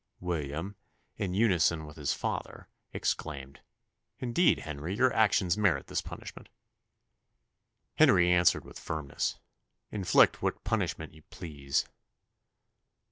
William, in unison with his father, exclaimed, "Indeed, Henry, your actions merit this punishment." Henry answered with firmness, "Inflict what punishment you please."